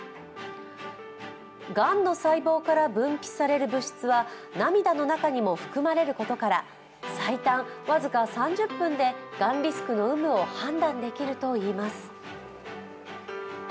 がんの細胞から分泌される物質は涙の中にも含まれることから最短僅か３０分で、がんリスクの有無を判断できるといいます。